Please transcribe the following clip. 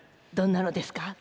どんなのですか？